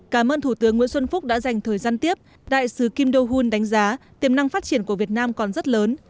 cảm ơn thủ tướng nguyễn xuân phúc đã dành thời gian tiếp đại sứ kim do hun đánh giá tiềm năng phát triển của việt nam còn rất lớn